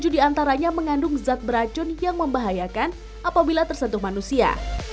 tujuh diantaranya mengandung zat beracun yang membahayakan apabila tersentuh manusia